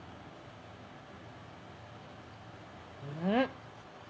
うん！